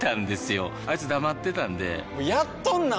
あいつ黙ってたんでやっとんなー！